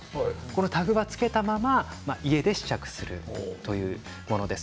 タグをつけたまま家で試着するというものです。